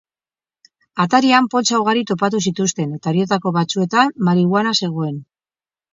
Atarian poltsa ugari topatu zituzten, eta horietako batzuetan marihuana zegoen.